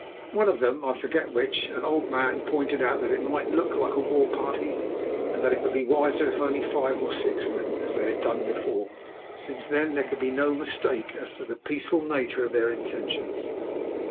One of them, I forget which, an old man, pointed out that it might look like a war party, and that it would be wiser if only five or six went, as they had done before, since then there could be no mistake as to the peaceful nature of their intentions.